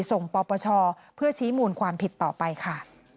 ปปชเพื่อชี้มูลความผิดต่อไปค่ะ